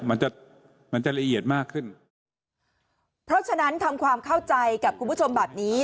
มันจะมันจะละเอียดมากขึ้นเพราะฉะนั้นทำความเข้าใจกับคุณผู้ชมแบบนี้